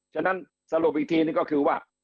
ฉะนั้นสรุปอีกทีนึงก็คือว่า